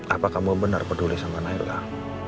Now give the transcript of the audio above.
apa kamu benar peduli sama naila